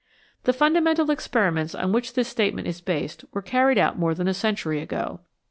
The fundamental experiments on which this statement is based were carried out more than a century ago.